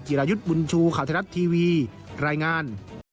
รายุทธ์บุญชูข่าวไทยรัฐทีวีรายงาน